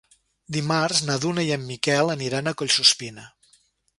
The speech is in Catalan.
Dimarts na Duna i en Miquel aniran a Collsuspina.